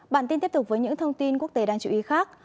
bản tin tiếp tục với những thông tin quốc tế đang chủ y khác